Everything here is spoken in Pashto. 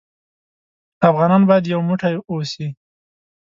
افغانان بايد يو موټى اوسې.